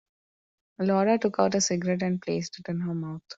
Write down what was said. Laura took out a cigarette and placed it in her mouth.